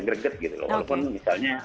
greget gitu loh walaupun misalnya